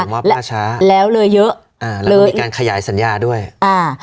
ส่งมอบประชาแล้วเลยเยอะอ่าแล้วมันมีการขยายสัญญาด้วยอ่า